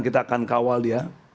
kita akan kawal dia